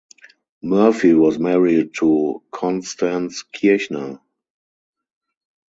Murphy was married to Constance Kirchner.